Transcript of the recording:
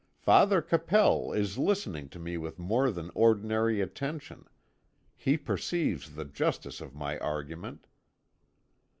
Father Capel is listening to me with more than ordinary attention. He perceives the justice of my argument."